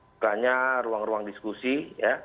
bukannya ruang ruang diskusi ya